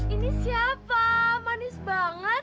ini siapa manis banget